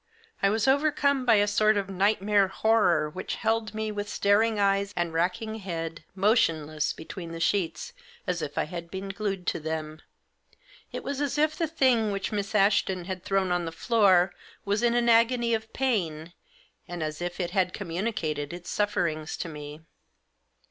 I was overcome by a sort of nightmare horror, which held me, with staring eyes and racking head, motionless between the sheets, as if I had been glued to them. It was as if the thing which Miss Ashton had thrown on the floor was in an agony of pain, and as if it had communi cated its sufferings to me.